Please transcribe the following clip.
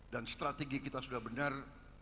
dan strategi kita sudah benar